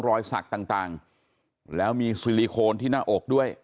รอยสักต่างแล้วมีซิลิโคนที่หน้าอกด้วย